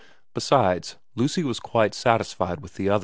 Besides, Lucy was quite satisfied with the other.